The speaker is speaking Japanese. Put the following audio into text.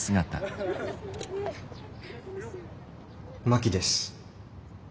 真木です。